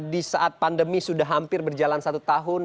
di saat pandemi sudah hampir berjalan satu tahun